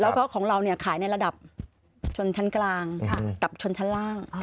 แล้วก็ของเราเนี่ยขายในระดับชนชั้นกลางกับชนชั้นล่าง